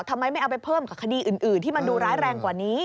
ทำไมไม่เอาไปเพิ่มกับคดีอื่นที่มันดูร้ายแรงกว่านี้